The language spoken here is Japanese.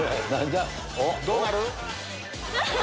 どうなる？